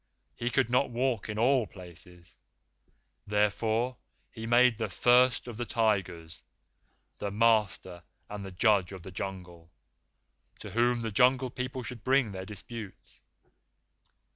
He could not walk in all places; therefore he made the First of the Tigers the master and the judge of the Jungle, to whom the Jungle People should bring their disputes.